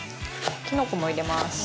きのこも入れます。